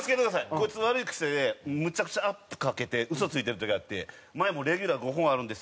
こいつ悪い癖でむちゃくちゃアップかけて嘘ついてる時あって前も「レギュラー５本あるんです」